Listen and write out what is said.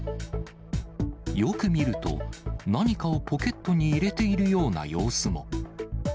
よく見ると、何かをポケットに入れているような様子も。